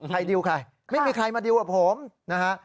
ดิวใครไม่มีใครมาดิวกับผมนะฮะ